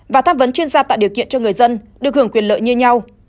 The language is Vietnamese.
và tham vấn chuyên gia tạo điều kiện cho người dân được hưởng quyền lợi như nhau